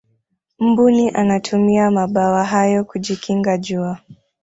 mbuni anatumia mabawa hayo kujikinga jua